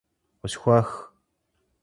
Къысхухэх!